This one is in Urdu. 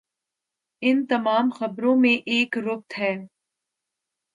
ان تمام خبروں میں ایک ربط ہے۔